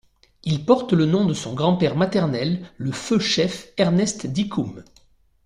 Il porte le nom de son grand père maternel, le feu chef Ernest Dikoum.